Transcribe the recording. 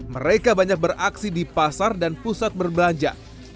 mereka banyak beraksi di pasar dan pusat berbelanja